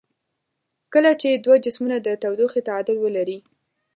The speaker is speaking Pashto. کله چې دوه جسمونه د تودوخې تعادل ولري.